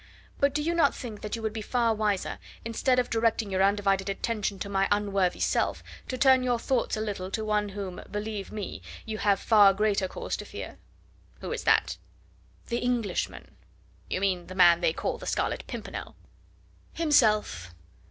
But do you not think that you would be far wiser, instead of directing your undivided attention to my unworthy self, to turn your thoughts a little to one whom, believe me, you have far greater cause to fear?" "Who is that?" "The Englishman." "You mean the man they call the Scarlet Pimpernel?" "Himself.